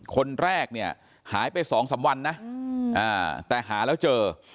คนแรกเนี่ยหายไป๒๓วันนะแต่หาแล้วเจอ